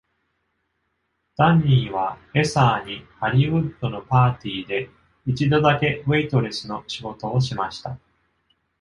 ダニーはエサ―にハリウッドのパーティーで一度だけウェイトレスの仕事をしました。